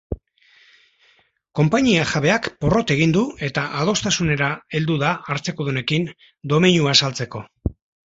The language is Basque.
Konpainia jabeak porrot egin du eta adostasunera heldu da hartzekodunekin, domeinua saltzeko.